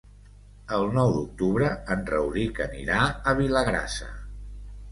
El nou d'octubre en Rauric anirà a Vilagrassa.